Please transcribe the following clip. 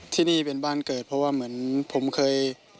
ที่นี่เป็นบ้านเกิดเพราะว่าเหมือนผมเคย